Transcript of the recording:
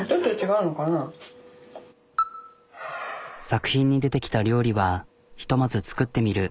作品に出てきた料理はひとまず作ってみる。